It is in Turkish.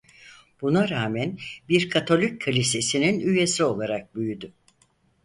Buna rağmen bir katolik kilisesinin üyesi olarak büyüdü.